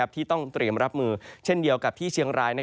ที่ต้องเตรียมรับมือเช่นเดียวกับที่เชียงราย